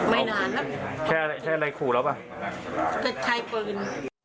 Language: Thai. ไม่นานละแค่แค่อะไรขู่แล้วป่าวแต่ใช้ปืน